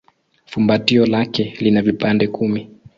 Fumbatio lake lina vipande kumi.